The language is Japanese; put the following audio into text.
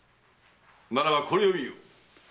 ならばこれを見よ。